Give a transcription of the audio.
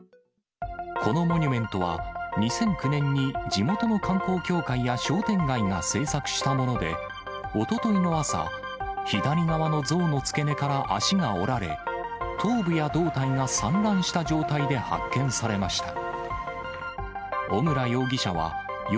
このモニュメントは、２００９年に地元の観光協会や商店街が制作したもので、おとといの朝、左側の像の付け根から脚が折られ、頭部や胴体が散乱した状態で発見されました。